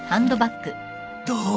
どう？